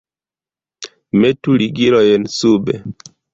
Metu ligilojn sube!